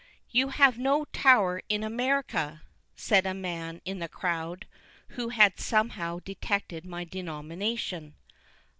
"You have no Tower in America?" said a man in the crowd, who had somehow detected my denomination.